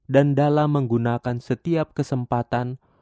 dan dalam menggunakan setiap kesempatan